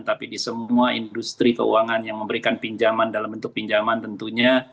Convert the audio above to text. tapi di semua industri keuangan yang memberikan pinjaman dalam bentuk pinjaman tentunya